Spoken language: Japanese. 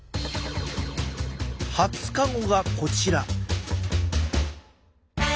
２０日後がこちら。